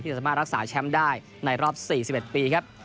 จะสามารถรักษาแชมป์ได้ในรอบ๔๑ปีครับ